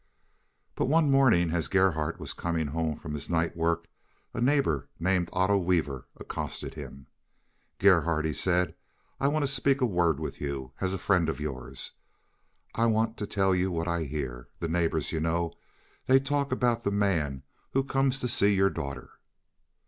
But one morning as Gerhardt was coming home from his night work a neighbor named Otto Weaver accosted him. "Gerhardt," he said, "I want to speak a word with you. As a friend of yours, I want to tell you what I hear. The neighbors, you know, they talk now about the man who comes to see your daughter."